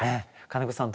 金子さん